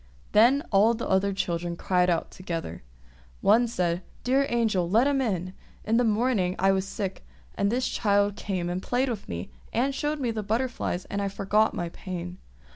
Then all the other children cried out together. One said, "Dear Angel, let him in! In the morning I was sick, and this child came and played with me, and showed me the butterflies, and I forgot my pain.